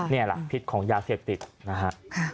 นี่แหละพิษของยาเสพติดนะฮะ